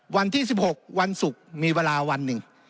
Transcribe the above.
วันที่๑๖วันศุกร์มีเวลาวันหนึ่ง